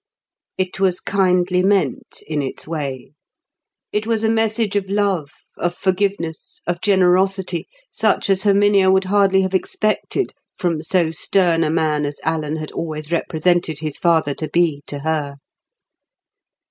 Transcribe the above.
It was kindly meant in its way. It was a message of love, of forgiveness, of generosity, such as Herminia would hardly have expected from so stern a man as Alan had always represented his father to be to her.